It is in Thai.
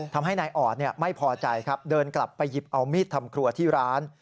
ทำให้นายออดไม่พอใจครับเดินกลับไปหยิบเอามีดทำครัวที่ร้าน